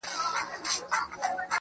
زما ځواني دي ستا د زلفو ښامارونه وخوري.